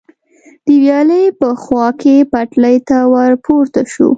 د ویالې په خوا کې پټلۍ ته ور پورته شو.